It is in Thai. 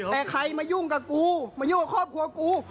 แต่ใครมายุ่งกับกูมายุ่งกับครอบครัวกู